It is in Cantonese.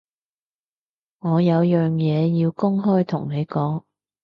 我有樣嘢要公開同你講